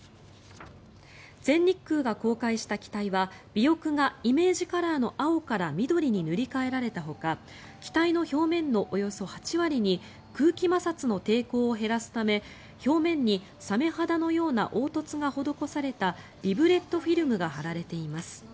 全日空が公開した機体は尾翼がイメージカラーの青から緑に塗り替えられたほか機体の表面のおよそ８割に空気摩擦の抵抗を減らすため表面にサメ肌のような凹凸が施されたリブレットフィルムが貼られています。